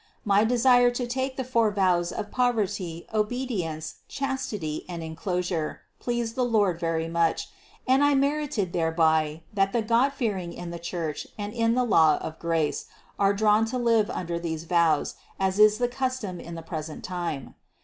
My de sire to take the four vows of poverty, obedience, chastity and enclosure pleased the Lord very much, and I mer ited thereby that the godfearing in the Church and in the law of grace are drawn to live under these vows, as is the custom in the present time.